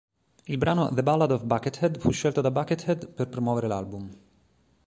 Il brano "The Ballad of Buckethead" fu scelto da Buckethead per promuovere l'album.